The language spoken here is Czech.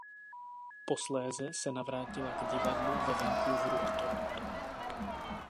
Posléze se navrátila k divadlu ve Vancouveru a Torontu.